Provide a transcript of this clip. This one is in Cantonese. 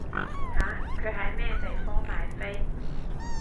吓？佢喺咩地方買飛？